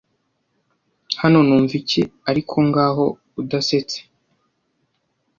hano numva iki ariko ngaho udasetse